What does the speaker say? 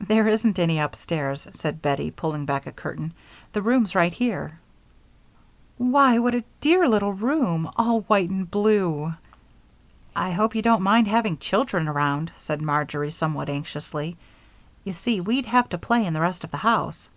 "There isn't any upstairs," said Bettie, pulling back a curtain; "the room's right here." "Why! What a dear little room all white and blue!" "I hope you don't mind having children around," said Marjory, somewhat anxiously. "You see, we'd have to play in the rest of the house."